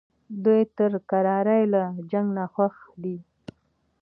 دوی تر کرارۍ له جنګ نه خوښ دي.